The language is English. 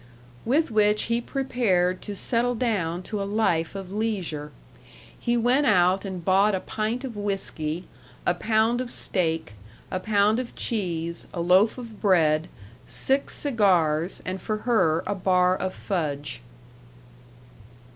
With which he prepared to settle down to a life of leisure. He went out and bought a pint of whisky, a pound of steak, a pound of cheese, a loaf of bread, six cigars, and for her a bar of fudge.